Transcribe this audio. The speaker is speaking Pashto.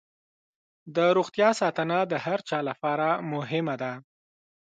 د روغتیا ساتنه د هر چا لپاره مهمه ده.